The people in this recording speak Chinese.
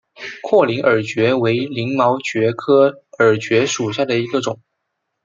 阔鳞耳蕨为鳞毛蕨科耳蕨属下的一个种。